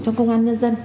trong công an nhân dân